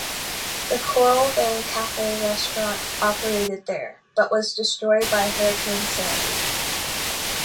The Coral Bay Cafe restaurant operated there but was destroyed by Hurricane Sandy.